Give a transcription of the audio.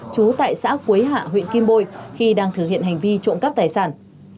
trú tại xã quế hạ huyện kim bôi khi đang thực hiện hành vi trộm cắp tài sản